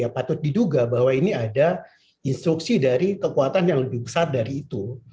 patut diduga bahwa ini ada instruksi dari kekuatan yang lebih besar dari itu